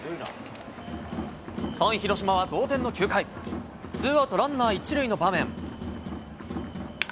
３位広島は同点の９回、ツーアウトランナー１塁の場面。